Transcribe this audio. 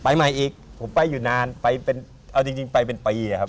ไปใหม่อีกผมไปอยู่นานเอาจริงไปเป็นปีครับ